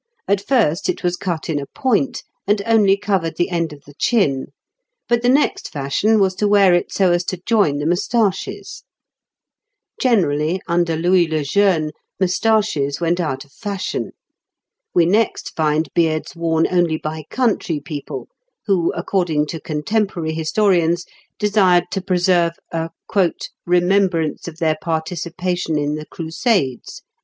At first it was cut in a point, and only covered the end of the chin, but the next fashion was to wear it so as to join the moustaches. Generally, under Louis le Jeune (Fig. 412), moustaches went out of fashion. We next find beards worn only by country people, who, according to contemporary historians, desired to preserve a "remembrance of their participation in the Crusades."